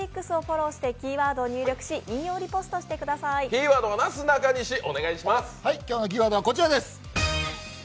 キーワードはなすなかにし、お願いします。